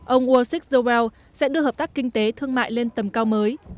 ông ursik zorwell sẽ đưa hợp tác kinh tế thương mại lên tầm cao mới